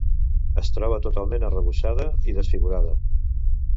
Es troba totalment arrebossada i desfigurada.